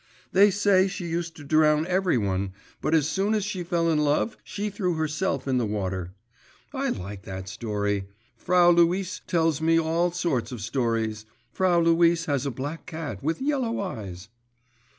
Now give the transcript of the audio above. They say she used to drown every one, but as soon as she fell in love she threw herself in the water. I like that story. Frau Luise tells me all sorts of stories. Frau Luise has a black cat with yellow eyes.